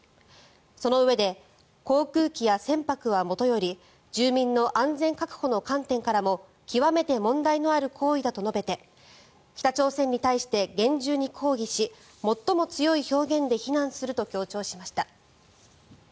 そのうえで航空機や船舶はもとより住民の安全確保の観点からも極めて問題のある行為だと述べて北朝鮮に対して厳重に抗議し最も強い表現で非難すると強調しました。